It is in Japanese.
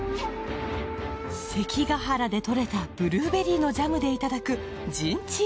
関ケ原で採れたブルーベリーのジャムでいただく陣地ー